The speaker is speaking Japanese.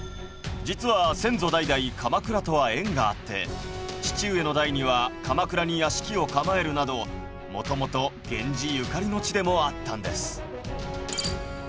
実は先祖代々鎌倉とは縁があって父上の代には鎌倉に屋敷を構えるなど元々源氏ゆかりの地でもあったんです。